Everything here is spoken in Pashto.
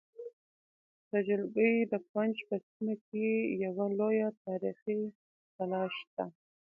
د جلگې د کونج په سیمه کې یوه لویه تاریخې کلا شته